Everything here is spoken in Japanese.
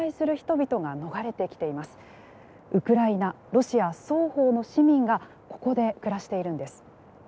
ロシア双方の市民がここで暮らしているんです。